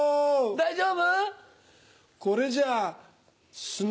大丈夫？